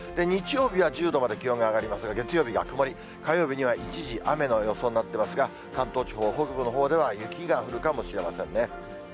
日曜日は１０度まで気温が上がりますが、月曜日が曇り、火曜日には一時雨の予想になっていますが、関東地方北部のほうでは、雪が降るかもしれませんね。